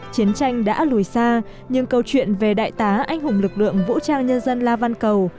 chiến tranh đã lùi xa nhưng câu chuyện về đại tá anh hùng lực lượng vũ trang nhân dân la văn cầu